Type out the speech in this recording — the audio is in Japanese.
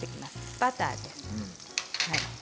バターです。